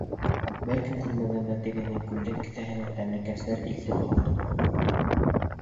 Бер кем күрмәгәндә тегенең күлдәк кеҫәһенә тәмлекәстәр илтеп һалдым.